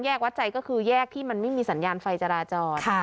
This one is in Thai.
วัดใจก็คือแยกที่มันไม่มีสัญญาณไฟจราจร